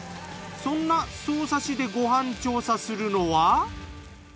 そんな匝瑳市でご飯調査するのは？